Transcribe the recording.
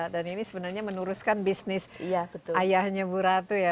dan ini sebenarnya menuruskan bisnis ayahnya bu ratu ya